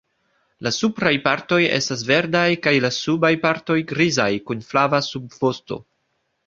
La supraj partoj estas verdaj kaj la subaj partoj grizaj, kun flava subvosto.